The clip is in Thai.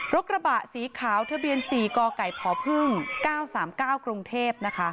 รถกระบะสีขาวเทอเบียน๔กไก่พอพึ่ง๙๓๙กรุงเทพฯ